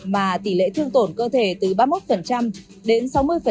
mà tỷ lệ thương tổn cơ thể từ ba mươi một đến sáu mươi